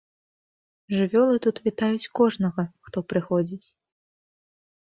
Жывёлы тут вітаюць кожнага, хто прыходзіць.